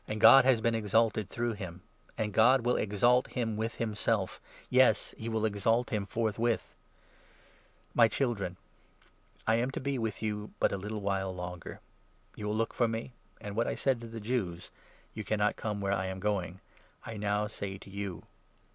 Gocj has been exalted through him ; and God will 32 The New exalt him with himself — yes, he will exalt him command, forthwith. My children, I am to be with 33 '"*• you but a little while longer. You will look for me ; and what I said to the Jews —' You cannot come where I am going '— I now say to you.